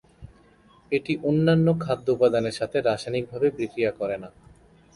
এটি অন্যান্য খাদ্য উপাদানের সাথে রাসায়নিকভাবে বিক্রিয়া করে না।